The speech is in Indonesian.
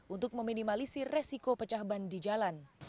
untuk meminimalisi resiko pecah ban di jalan